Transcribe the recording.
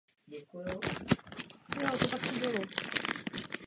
Jeho základy jsou stále viditelné.